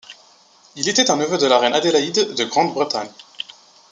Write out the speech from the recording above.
Il était un neveu de la reine Adélaïde de Grande-Bretagne.